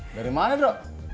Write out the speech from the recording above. dari mana drok